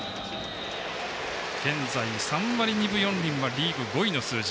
現在、３割２分４厘はリーグ５位の数字。